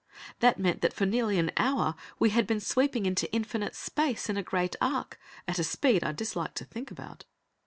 That meant that for nearly an hour we had been sweeping into infinite space in a great arc, at a speed I disliked to think about.